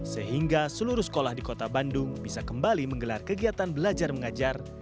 sehingga seluruh sekolah di kota bandung bisa kembali menggelar kegiatan belajar mengajar